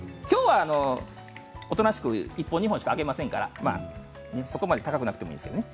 今日はおとなしく１本２本しか入れませんから、そこまで高くなくてもいいんですけどね。